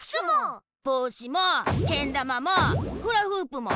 ぼうしもけんだまもフラフープも。